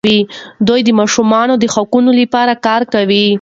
دوی د ماشومانو د حقونو لپاره کار کوي.